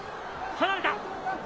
離れた。